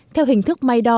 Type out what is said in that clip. theo hình thức may đo